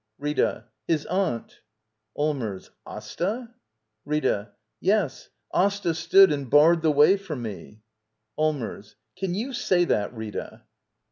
Rita. .His aunt. Allmers. Astal Rita. Yes. Asta stood and barred the way for me. Allmers. Can you say that, Rita?